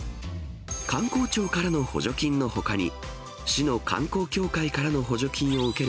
観光庁からの補助金のほかに、市の観光協会からの補助金を受け